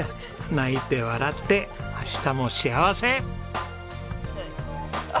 泣いて笑って明日も幸せ！